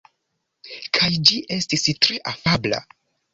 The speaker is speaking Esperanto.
Kaj ĝi estis tre afabla.